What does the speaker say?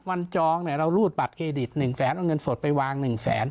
จองเนี่ยเรารูดบัตรเครดิต๑แสนเอาเงินสดไปวาง๑แสน